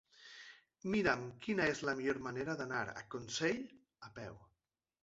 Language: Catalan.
Mira'm quina és la millor manera d'anar a Consell a peu.